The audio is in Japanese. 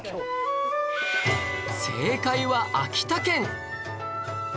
正解は秋田県